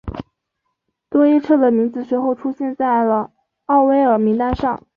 多伊彻的名字随后出现在了奥威尔名单上。